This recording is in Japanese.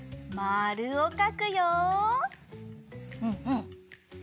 うんうん！